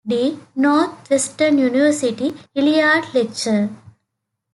D., Northwestern University; Hilliard Lecturer.